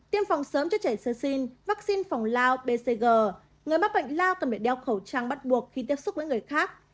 tiêm phòng sớm cho trẻ sơ sin vaccine phòng lao người mắc bệnh lao cần phải đeo khẩu trang bắt buộc khi tiếp xúc với người khác